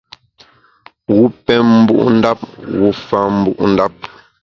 Wu pem mbu’ ndap, wu fa mbu’ ndap.